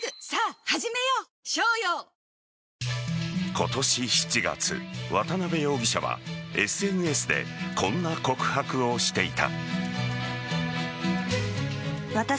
今年７月、渡辺容疑者はＳＮＳでこんな告白をしていた。